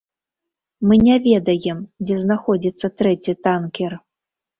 Мы не ведаем, дзе знаходзіцца трэці танкер.